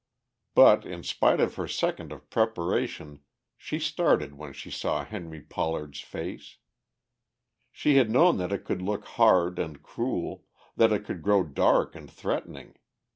But in spite of her second of preparation she started when she saw Henry Pollard's face. She had known that it could look hard and cruel, that it could grow dark and threatening.